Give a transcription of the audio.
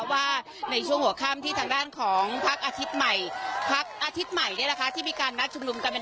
ว่าในช่วงหัวค่ำที่ทางด้านของพักอาทิตย์ใหม่พักอาทิตย์ใหม่ที่มีการนัดชุมนุมกันเป็น